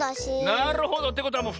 なるほど！ってことはもう２つきえた。